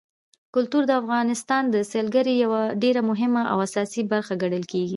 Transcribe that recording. کلتور د افغانستان د سیلګرۍ یوه ډېره مهمه او اساسي برخه ګڼل کېږي.